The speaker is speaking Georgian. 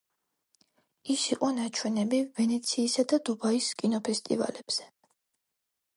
ის იყო ნაჩვენები ვენეციისა და დუბაის კინოფესტივალებზე.